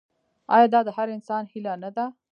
آیا دا د هر انسان هیله نه ده؟